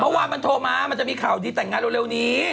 เมื่อวานมันโทรมามันจะมีข่าวดีแต่งงานเร็วนี้